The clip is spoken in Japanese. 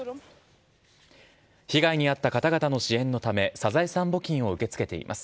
被害に遭った方々の支援のため、サザエさん募金を受け付けています。